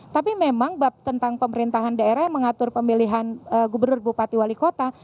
tapi memang tentang pemerintahan daerah yang mengatur pemilihan gubernur bupati wali kota